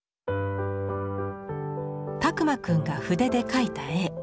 拓万くんが筆で描いた絵。